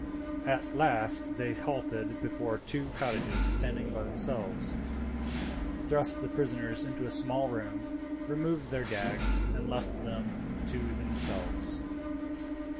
At last they halted before two cottages standing by themselves, thrust the prisoners into a small room, removed their gags, and left them to themselves.